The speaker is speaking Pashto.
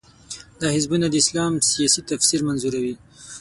دا حزبونه د اسلام سیاسي تفسیر منظوروي.